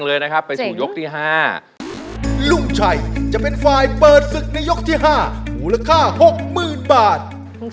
ร้องได้ให้ร้าง